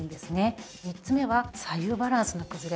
３つ目は左右バランスの崩れ。